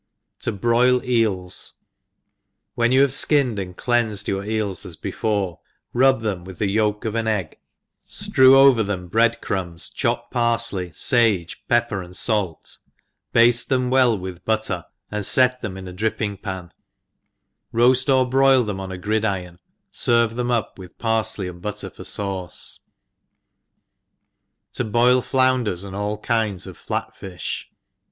To Aroi/EELS^ WHEN you have flcinned and cleanfed your eels as before, rub them with the yolk of an egg, P 3 ftrew 38 THE EXPERIENCED firew over them bread crumbs, chopped parfley^ fage, pepper, and fait, bade them well with but ^ ter, and fet them in a dripping pan^ roaft or broil them on a gridiron^ ferve them up with parfley and butter for faace. To boil Flounpers, and all Kinds of Flat Fish.